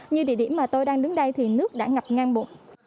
như địa điểm mà tôi đang đứng đây thì nước đã ngập ngang bộ